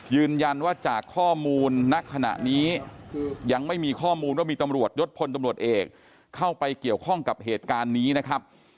ยืนยันว่าจากข้อมูลณขณะนี้ยังไม่มีข้อมูลว่ามีตำรวจยศพลตำรวจเอกเข้าไปเกี่ยวข้องกับเหตุการณ์นี้นะครับ